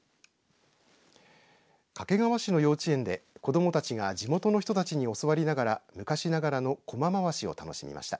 掛川市の幼稚園で、子どもたちが地元の人たちに教わりながら昔ながらのこま回しを楽しみました。